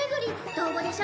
道後でしょ